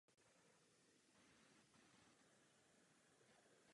Po něm následovala čtyři další těhotenství.